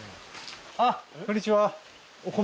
あっこんにちは。